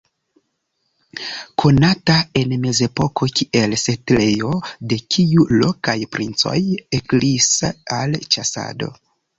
Konata en mezepoko kiel setlejo, de kiu lokaj princoj ekiris al ĉasado.